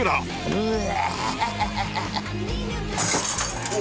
うわ！